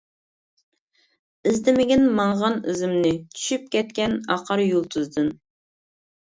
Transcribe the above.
ئىزدىمىگىن ماڭغان ئىزىمنى، چۈشۈپ كەتكەن ئاقار يۇلتۇزدىن.